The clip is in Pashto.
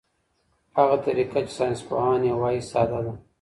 هغه طریقه چې ساینسپوهان یې وايي ساده ده.